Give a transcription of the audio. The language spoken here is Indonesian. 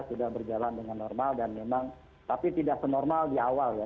sudah berjalan dengan normal dan memang tapi tidak senormal di awal ya